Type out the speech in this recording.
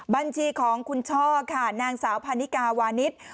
บัญชีของคุณช่อค่ะนางสาวพันนิกาวานิส